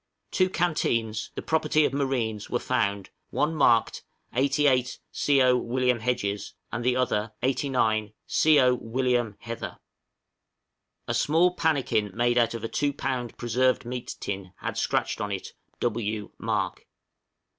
Two canteens, the property of marines, were found, one marked "88 C^o. Wm. Hedges," and the other "89 C^o. Wm. Hether." A small pannikin made out of a two pound preserved meat tin had scratched on it "W. Mark."